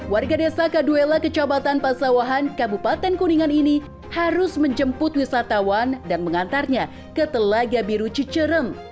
warga desa kaduela kecamatan pasawahan kabupaten kuningan ini harus menjemput wisatawan dan mengantarnya ke telaga biru cicerem